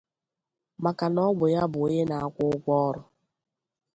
maka na Ọ bụ Ya bụ Onye na-akwụ ụgwọọrụ.